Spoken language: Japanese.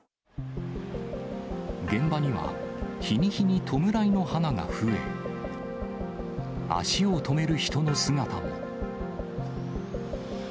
現場には日に日に弔いの花が増え、足を止める人の姿も。